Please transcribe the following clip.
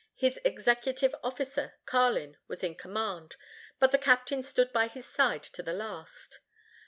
His executive officer, Carlin, was in command, but the captain stood by his side to the last.